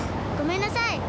ごめんなさい。